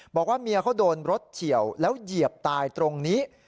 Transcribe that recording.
บอกว่าเมียเขาโดนรถเฉียวแล้วเหยียบตายตรงนี้